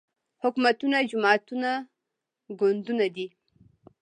حکومتونه جماعتونه ګوندونه دي